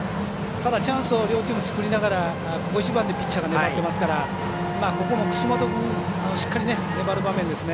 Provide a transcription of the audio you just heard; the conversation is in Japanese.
ただチャンスを両チーム作りながら、ここ一番でピッチャーが粘ってますからここも楠本君しっかり粘る場面ですね。